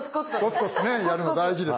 コツコツねやるの大事ですね。